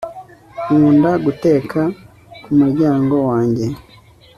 nkunda guteka kumuryango wanjye